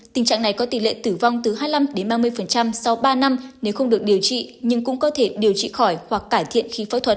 tình trạng này có tỷ lệ tử vong từ hai mươi năm ba mươi sau ba năm nếu không được điều trị nhưng cũng có thể điều trị khỏi hoặc cải thiện khí phẫu thuật